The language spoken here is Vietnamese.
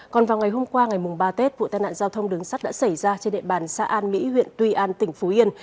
còn vào ngày hôm qua ngày ba tết vụ tai nạn giao thông đứng sắt đã xảy ra trên địa bàn xã an mỹ huyện tuy an tỉnh phú yên